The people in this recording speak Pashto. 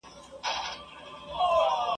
جهاني ولي دي تیارې په اوښکو ستړي کړلې ..